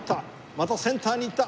またセンターにいった。